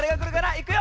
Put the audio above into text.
いくよ！